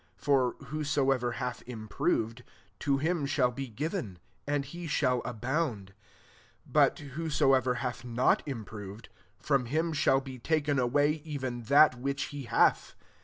12 For whosoever hath imfiroved, to him shall be given, and he shall abound : but whosoever hath not imftrov fcf, from him shall be taken away even that which he hath.